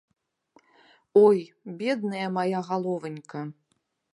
Ой, бедная мая галованька!